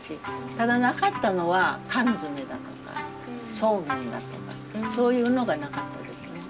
ただなかったのは缶詰だとかそうめんだとかそういうのがなかったですね。